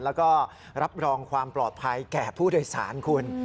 แล้วก็รับรองความปลอดภัยแก่ผู้โดยสารคุณ